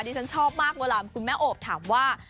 ที่ฉันชอบมากพวกคุณแม่โอปถามว่า